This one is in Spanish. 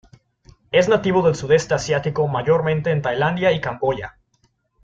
Es nativo del Sudeste Asiático mayormente en Tailandia y Camboya.